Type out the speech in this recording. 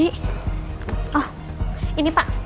iya ketinggalan tadi kayaknya